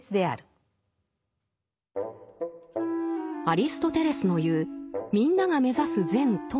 アリストテレスの言う「みんなが目指す善」とは何か？